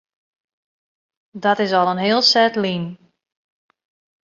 Dat is al in hiel set lyn.